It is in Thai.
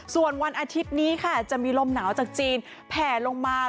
ส่วนวันอาทิตย์นี้ค่ะจะมีลมหนาวจากจีนแผ่ลงมา